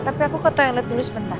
tapi aku kata yang letus bentar